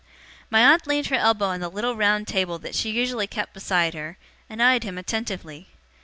My aunt leaned her elbow on the little round table that she usually kept beside her, and eyed him attentively.